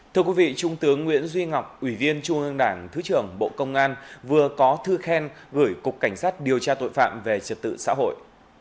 thưa quý vị trung tướng nguyễn duy ngọc ủy viên trung ương đảng thứ trưởng bộ công an vừa có thư khen gửi cục cảnh sát điều tra tội phạm về trật tự xã hội